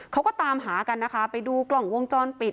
เขาก็ตามหากันนะคะไปดูกล่องวงจรปิด